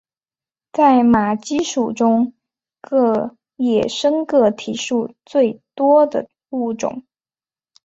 在马鸡属中个野生个体数最多的物种。